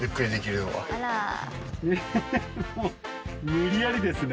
無理やりですね。